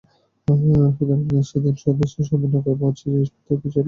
সুতরাং আমরা সেইদিন সন্ধ্যার সময় নৌকায় পৌঁছিয়া জিনিষপত্র গুছাইয়া লইলাম এবং পত্রাদি লিখিলাম।